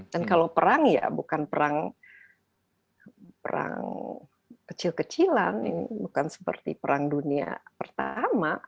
dan kalau perang ya bukan perang kecil kecilan bukan seperti perang dunia pertama